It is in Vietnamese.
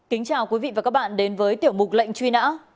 kính chào quý vị và các bạn đến với tiểu mục lệnh truy nã